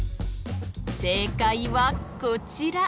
正解はこちら。